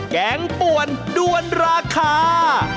แกงป่วนด้วนราคา